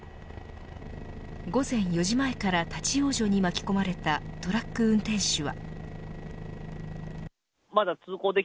午前４時前から立ち往生に巻き込まれたトラック運転手は。